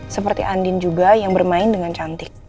seperti andin juga yang bermain dengan cantik